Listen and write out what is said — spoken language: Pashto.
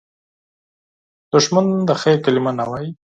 دښمن د خیر کلمه نه وايي